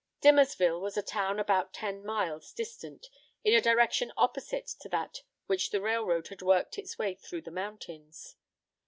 Dimmersville was a town about ten miles distant, in a direction opposite to that from which the railroad had worked its way through the mountains.